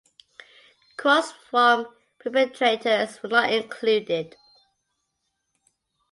Quotes from perpetrators were not included.